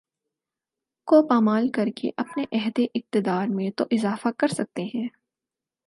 کو پامال کرکے اپنے عہد اقتدار میں تو اضافہ کر سکتے ہیں